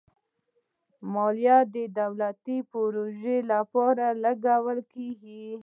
مالیه د دولتي پروژو لپاره لګول کېږي.